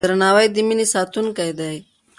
درناوی د مینې ساتونکی دی.